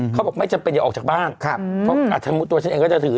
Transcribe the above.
เขาบอกไม่จำเป็นอย่าออกจากบ้านเพราะอธรรมุตัวเองก็จะถือ